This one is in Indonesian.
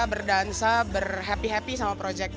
berdansa berhappy happy sama proyeknya